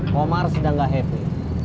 komar sedang gak heavy